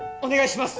お願いします！